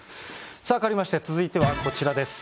さあかわりまして、続いてはこちらです。